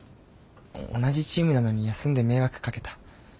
同じチームなのに休んで迷惑かけた。